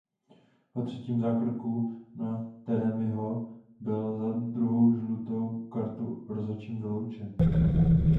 Po třetím zákroku na Taremiho byl za druhou žlutou kartu rozhodčím vyloučen.